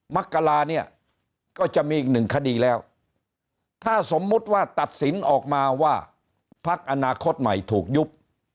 มกราเนี่ยก็จะมีอีกหนึ่งคดีแล้วถ้าสมมุติว่าตัดสินออกมาว่าพักอนาคตใหม่ถูกยุบ